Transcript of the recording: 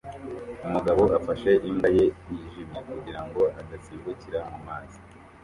Umugabo afashe imbwa ye yijimye kugira ngo adasimbukira mu mazi